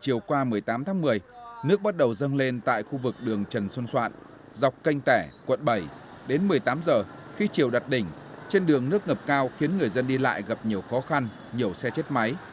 chiều qua ngày một mươi tám tháng một mươi nhiều khu vực tại thành phố hồ chí minh đã bị ngập nặng khi mặt đợt chiều cường đặt đỉnh lên tới mức một m bảy vượt mức bá động ba đến một m